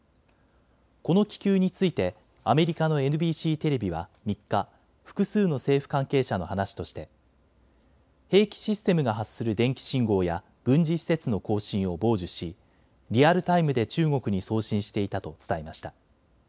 この気球についてアメリカのＮＢＣテレビは３日、複数の政府関係者の話として兵器システムが発する電気信号や軍事施設の交信を傍受しリアルタイムで中国に送信していたと伝えました。